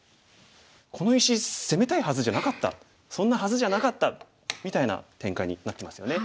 この石攻めたいはずじゃなかったそんなはずじゃなかった」みたいな展開になってますよね。